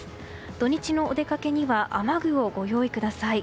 土日のお出掛けには雨具をご用意ください。